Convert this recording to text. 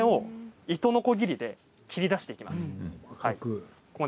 糸のこぎりで切り出していきます。